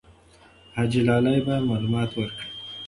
حاجي لالی به معلومات ورکړي.